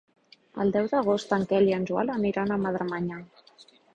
El deu d'agost en Quel i en Joan aniran a Madremanya.